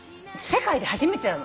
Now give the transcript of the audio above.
世界で初めてなの。